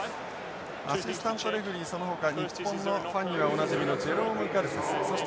アシスタントレフリーそのほか日本のファンにはおなじみのジェロームガルセスそして